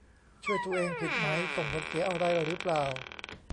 ช่วยตัวเอง ผิดไหม ส่งผลเสียอะไรหรือเปล่า